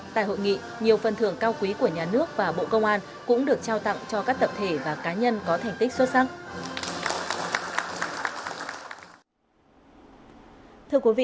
tại hội nghị nhiều phần thưởng cao quý của nhà nước và bộ công an cũng được trao tặng cho các tập thể và cá nhân có thành tích xuất sắc